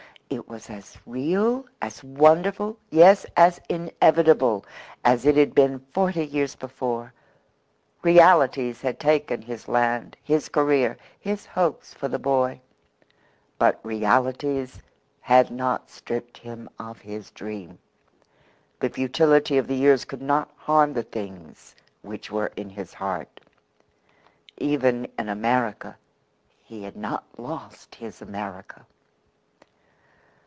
It was as real, as wonderful yes as inevitable, as it had been forty years before. Realities had taken his land, his career, his hopes for the boy. But realities had not stripped him of his dream. The futility of the years could not harm the things which were in his heart. Even in America he had not lost His America.